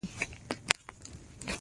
وزه مې په ځیر غره ته ګوري.